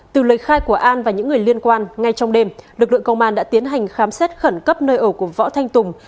từ lời khai của an và những người liên quan ngay trong đêm lực lượng công an đã tiến hành khám xét khẩn cấp nơi ở của võ thanh tùng